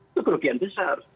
itu kerugian besar